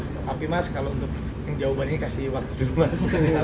tapi mas kalau untuk yang jawabannya kasih waktu dulu mas